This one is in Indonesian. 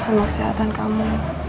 sama kesehatan kamu